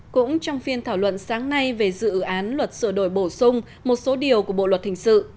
cũng trong phiên thảo luận sáng nay về dự án luật sửa đổi bổ sung một số điều của bộ luật hình sự